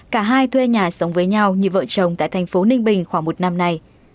cả hai thuê nhà sống với nhau như vợ chồng tại thành phố ninh bình khoảng một năm nay